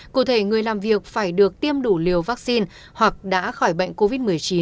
cụ thể người làm việc phải được tiêm đủ liều vaccine hoặc đã khỏi bệnh covid một mươi chín